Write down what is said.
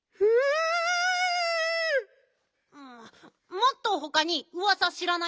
もっとほかにうわさしらないの？